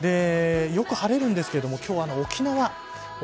よく晴れるんですけれども今日は沖縄。